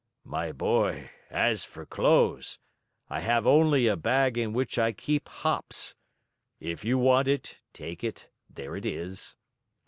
"My boy, as for clothes, I have only a bag in which I keep hops. If you want it, take it. There it is."